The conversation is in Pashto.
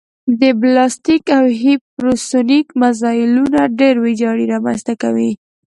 بلاستیک او هیپرسونیک مزایلونه ډېره ویجاړي رامنځته کوي